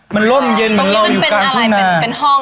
มันล้มเย็นเราอยู่การทุนา